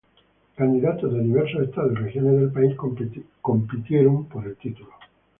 Candidatos de diversos estados y regiones del país compitieran por el título.